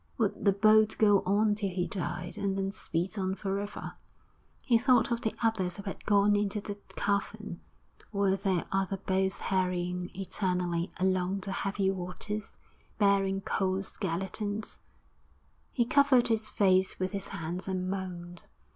Would the boat go on till he died, and then speed on for ever? He thought of the others who had gone into the cavern. Were there other boats hurrying eternally along the heavy waters, bearing cold skeletons? He covered his face with his hands and moaned.